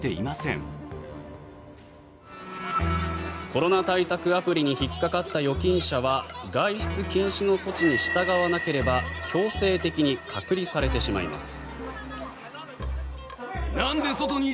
コロナ対策アプリに引っかかった預金者は外出禁止の措置に従わなければ強制的に隔離されてしまいます。